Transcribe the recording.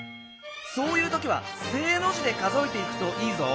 そういうときは「正」の字で数えていくといいぞ！